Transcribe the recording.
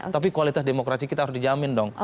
tapi kualitas demokrasi kita harus dijamin dong